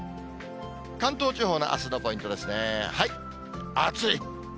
関東地方のあすのポイントですね、暑い。